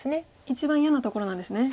一番嫌なところなんですね